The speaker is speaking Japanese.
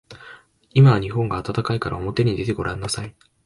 今は日本が暖かいからおもてに出てごらんなさい。